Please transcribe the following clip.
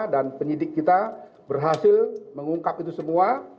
dan penyidik kita berhasil mengungkap itu semua